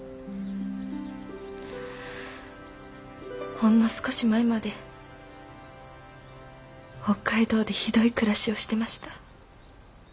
ほんの少し前まで北海道でひどい暮らしをしてました。